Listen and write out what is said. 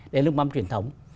đấy là nước mắm truyền thống